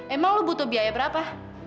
emang lo butuh biaya berapa